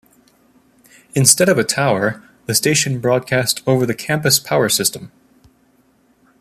Instead of a tower, the station broadcast over the campus power system.